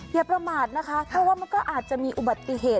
อย่าประมาทนะคะเพราะว่ามันก็อาจจะมีอุบัติเหตุ